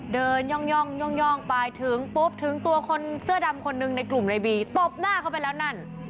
เดินย่องไปถึงตัวเสื้อดำคนนึงในกลุ่มในบีตบหน้าเขาไปแล้วนั่น